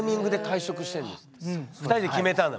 ２人で決めたんだ？